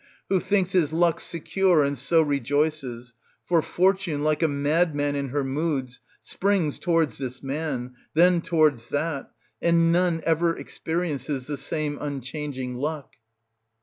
who thinks his luck secure and so rejoices ; for fortune, like a madman in her moods, springs towards this man, then towards that; and none ever experiences the same unchanging luck.